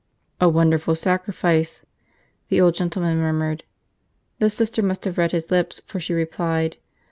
"A wonderful sacrifice," the old gentleman murmured. The Sister must have read his lips, for she replied.